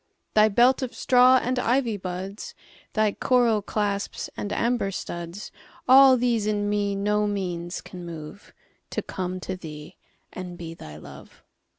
Thy belt of straw and ivy buds, Thy coral clasps and amber studs,—All these in me no means can moveTo come to thee and be thy Love.